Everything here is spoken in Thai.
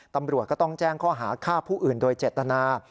ตำรวจก็ต้องแจ้งข้อหาฆ่าผู้อื่นโดยเจตนา